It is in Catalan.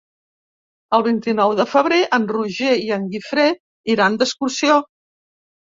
El vint-i-nou de febrer en Roger i en Guifré iran d'excursió.